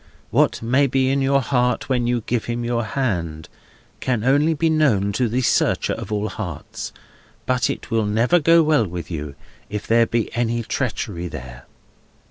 What may be in your heart when you give him your hand, can only be known to the Searcher of all hearts; but it will never go well with you, if there be any treachery there.